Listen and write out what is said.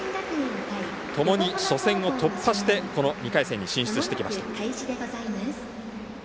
ともに初戦を突破してこの２回戦に進出してきました。